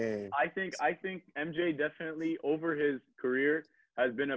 aku pikir mj pasti dalam karirnya